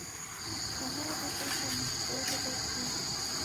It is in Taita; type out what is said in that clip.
Bahari eka na fuo righokie.